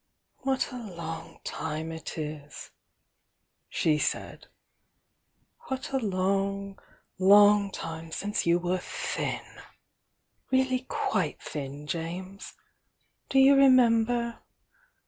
"What a long time it is!" she said — "What a long, long time since you were thin! — really quite thin, James! Do you remember?